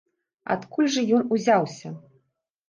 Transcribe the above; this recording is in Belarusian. Адкуль жа ён узяўся?